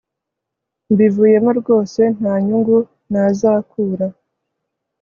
mbivuyemo rwose ntanyungu nazakura